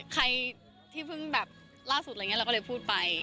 ใครที่เพิ่งแบบล่าสุดเราก็เลยพูดไป